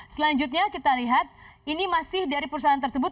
selanjutnya kita lihat ini masih dari perusahaan tersebut